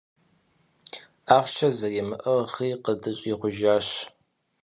Ахъшэ зэримыӀыгъри къыдыщӀигъужащ.